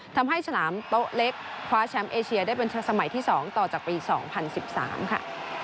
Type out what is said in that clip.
ฉลามโต๊ะเล็กคว้าแชมป์เอเชียได้เป็นสมัยที่๒ต่อจากปี๒๐๑๓ค่ะ